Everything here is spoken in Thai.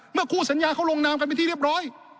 เมื่อคู่สัญญาเขาลงน้ำกันไปที่เรียบร้อย